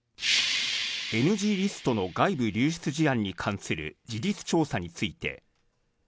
ＮＧリストの外部流出事案に関する事実調査について。